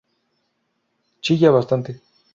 Chilla bastante.